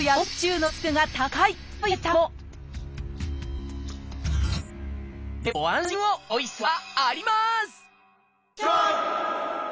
チョイスはあります！